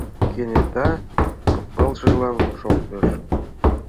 Кенета пылышыжлан шоктыш: